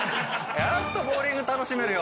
やっとボウリング楽しめるよ。